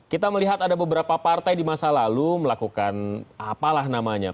kita melihat ada beberapa partai di masa lalu melakukan apalah namanya